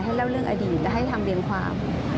เล่าเรื่องอดีตจะให้ทำเรียงความ